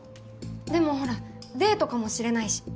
でもほらデートかもしれないし。